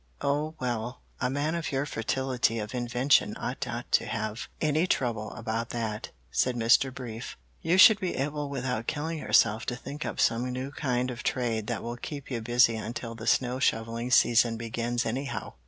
"Oh, well, a man of your fertility of invention ought not to have any trouble about that," said Mr. Brief. "You should be able without killing yourself to think up some new kind of trade that will keep you busy until the snow shoveling season begins anyhow."